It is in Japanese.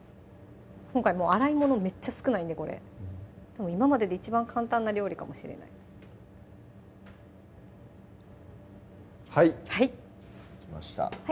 今回洗い物めっちゃ少ないんでこれ今までで一番簡単な料理かもしれないはいできました